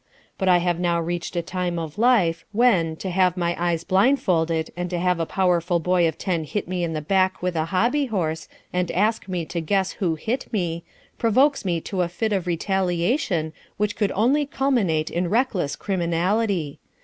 But I have now reached a time of life, when, to have my eyes blindfolded and to have a powerful boy of ten hit me in the back with a hobby horse and ask me to guess who hit me, provokes me to a fit of retaliation which could only culminate in reckless criminality.